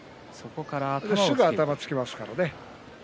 すぐ頭をつけますからね。